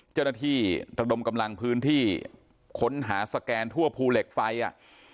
เจ้าหน้าที่ระดมกำลังพื้นที่ค้นหาสแกนทั่วภูเหล็กไฟอ่ะ